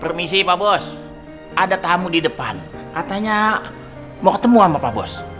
permisi pak bos ada tamu di depan katanya mau ketemu sama pak bos